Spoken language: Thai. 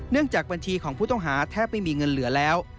จากบัญชีของผู้ต้องหาแทบไม่มีเงินเหลือแล้ว